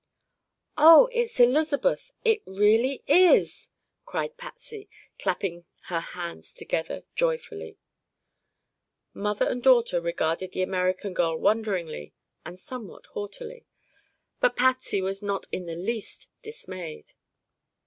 "Oh, it's Elizabeth it really is!" cried Patsy, clapping her hands together joyfully. Mother and daughter regarded the American girl wonderingly and somewhat haughtily, but Patsy was not in the least dismayed.